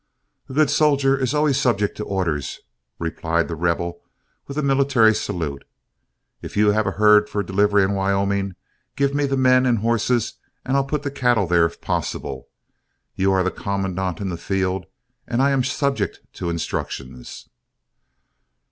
"A good soldier is always subject to orders," replied The Rebel with a military salute. "If you have a herd for delivery in Wyoming, give me the men and horses, and I'll put the cattle there if possible. You are the commandant in the field, and I am subject to instructions."